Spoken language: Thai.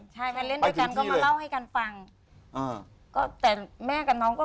ใช่ค่ะโดนป้ายน้ำมันค่ะ